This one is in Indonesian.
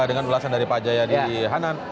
dengan ulasan dari pak jayadi hanan